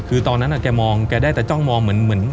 คือตอนนั้นแกมองแกได้แต่จ้องมองเหมือน